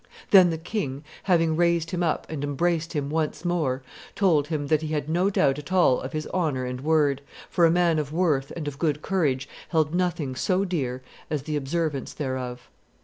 Then the king, having raised him up and embraced him once more, told him that he had no doubt at all of his honor and word, for a man of worth and of good courage held nothing so dear as the observance thereof.